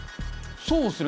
そうっすね。